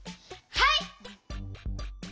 はい！